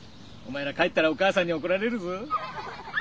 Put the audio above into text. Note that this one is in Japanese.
お前ら帰ったらお母さんにおこられるぞ。